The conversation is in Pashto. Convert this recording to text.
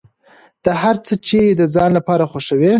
هر هغه څه چې د ځان لپاره خوښوې.